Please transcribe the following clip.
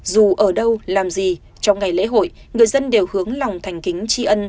dù ở đâu làm gì trong ngày lễ hội người dân đều hướng lòng thành kính tri ân